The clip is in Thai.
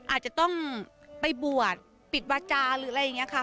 อาจจะต้องไปบวชปิดวาจาหรืออะไรอย่างนี้ค่ะ